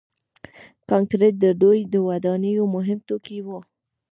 کانکریټ د دوی د ودانیو مهم توکي وو.